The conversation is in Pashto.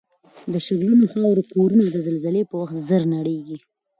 د شګلنو خاورو کورنه د زلزلې په وخت زر نړیږي